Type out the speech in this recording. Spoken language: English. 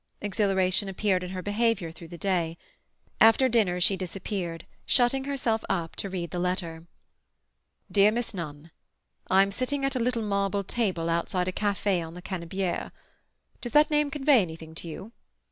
Exhilaration appeared in her behaviour through the day. After dinner she disappeared, shutting herself up to read the letter. "DEAR MISS NUNN,—I am sitting at a little marble table outside a café on the Cannibiere. Does that name convey anything to you?